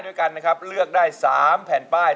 ด้วยกันนะครับเลือกได้๓แผ่นป้าย